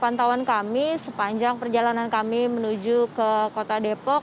pantauan kami sepanjang perjalanan kami menuju ke kota depok